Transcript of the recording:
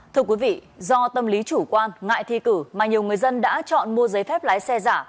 thưa quý vị do tâm lý chủ quan ngại thi cử mà nhiều người dân đã chọn mua giấy phép lái xe giả